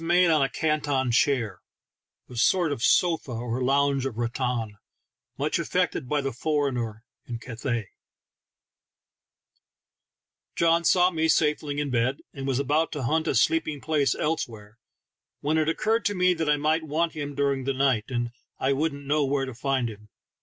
made on a "Canton chair," a sort of sofa or lounge of rattan, much affected by the foreigner in Catha3L John saw me safely in bed, and was about to hunt a sleeping place elsewhere, when it occurred to me that I might want him during the night, and I wouldn't know where to find him.